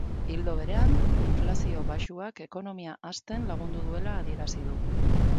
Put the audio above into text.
Ildo berean, inflazio baxuak ekonomia hazten lagundu duela adierazi du.